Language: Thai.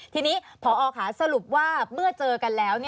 ทีนี้พอค่ะสรุปว่าเมื่อเจอกันแล้ว